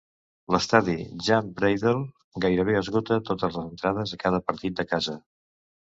L'estadi Jan Breydel gairebé esgota totes les entrades a cada partit de casa.